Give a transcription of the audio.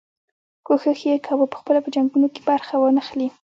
کوښښ یې کاوه پخپله په جنګونو کې برخه وانه خلي.